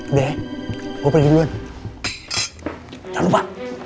udah gue pergi duluan jangan lupa